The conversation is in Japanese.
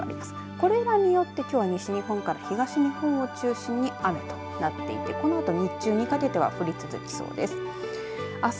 これらによってきょうは西日本から東日本を中心に雨となっていてこのあと日中にかけては降り続きそうです。